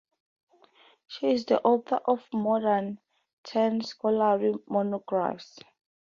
She is the author of more than ten scholarly monographs.